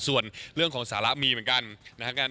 ส่วนเรื่องของสาระมีเหมือนกัน